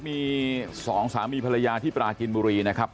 มีสองสามีภรรยาที่ปราจินบุรีนะครับ